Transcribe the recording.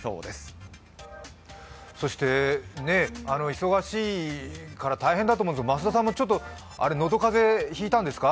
忙しいから大変だと思うんですが、増田さんも、喉風邪、引いたんですか？